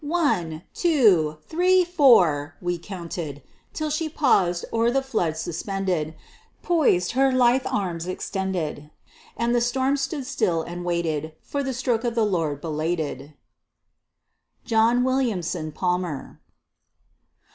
"One, two, three, four!" we counted; Till she paused, o'er the flood suspended, Poised, her lithe arms extended. And the storm stood still and waited For the stroke of the Lord, belated! JOHN WILLIAMSON PALMER.